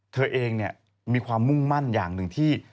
เธอเองมีความมุ่งมั่นอย่างหนึ่งที่